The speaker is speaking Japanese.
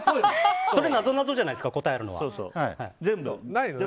それ、なぞなぞじゃないですか答えがあるのは。